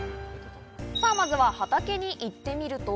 まずは畑に行ってみると。